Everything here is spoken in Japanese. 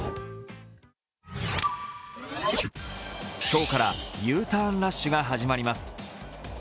今日からＵターンラッシュが始まります。